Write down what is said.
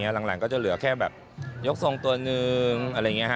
หลังก็จะเหลือแค่แบบยกทรงตัวหนึ่งอะไรอย่างนี้